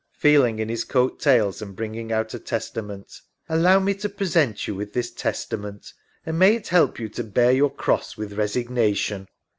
{Feeling in his coat tails and bringing out a Testament) Allow me to present you with this Testament, and may it help you to bear your Cross with resignation.